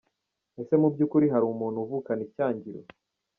Ese mu by'ukuri hari umuntu uvukana icyangiro?.